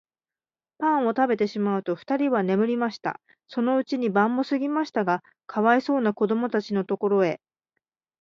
パンをたべてしまうと、ふたりは眠りました。そのうちに晩もすぎましたが、かわいそうなこどもたちのところへ、